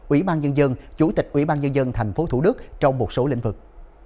ủy ban nhân dân chủ tịch ủy ban nhân dân tp thủ đức trong một số lĩnh vực